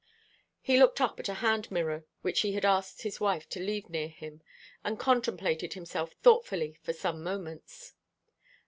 He took up a hand mirror which he had asked his wife to leave near him, and contemplated himself thoughtfully for some moments.